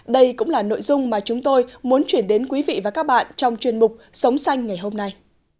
đây cũng là nội dung mà chúng tôi muốn chuyển đến quý vị và các bạn trong chuyên mục sống xanh ngày hôm nay